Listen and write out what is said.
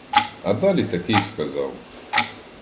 А далі таки й сказав.